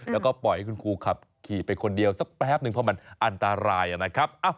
แล้วก็ปล่อยให้คุณครูขับขี่ไปคนเดียวสักแป๊บนึงเพราะมันอันตรายนะครับ